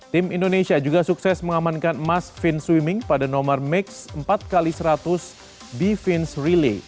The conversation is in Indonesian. tim indonesia juga sukses mengamankan emas fin swimming pada nomor mix empat x seratus be fins relay